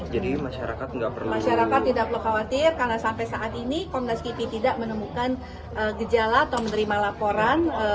jadi masyarakat tidak perlu khawatir karena sampai saat ini komnas kipi tidak menemukan gejala atau menerima laporan